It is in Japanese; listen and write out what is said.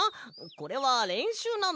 これはれんしゅうなんだ。